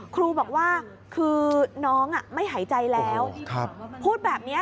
ครูบอกว่าคือน้องไม่หายใจแล้วพูดแบบนี้